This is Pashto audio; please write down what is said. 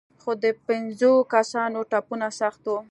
خو د پنځو کسانو ټپونه سخت وو.